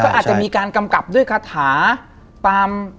อาจจะมีการกำกับด้วยคาถาตาม